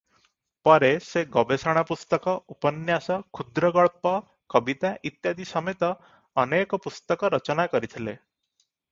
ପରେ ସେ ଗବେଷଣା ପୁସ୍ତକ, ଉପନ୍ୟାସ, କ୍ଷୁଦ୍ରଗଳ୍ପ, କବିତା ଇତ୍ୟାଦି ସମେତ ଅନେକ ପୁସ୍ତକ ରଚନା କରିଥିଲେ ।